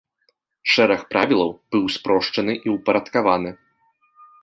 Шэраг правілаў быў спрошчаны і ўпарадкаваны.